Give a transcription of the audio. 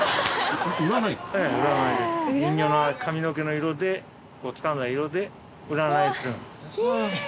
人形の髪の毛の色でつかんだ色で占いをするんです。